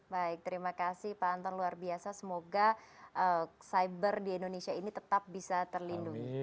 baik terima kasih pak anton luar biasa semoga cyber di indonesia ini tetap bisa terlindungi